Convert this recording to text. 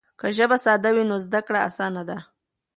که ژبه ساده وي نو زده کړه اسانه ده.